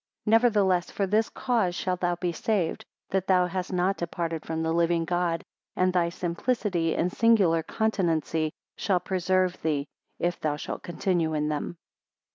25 Nevertheless, for this cause shalt thou be saved, that thou hast not departed from the living God, and thy simplicity and singular continency shall preserve thee, if thou shalt continue in them.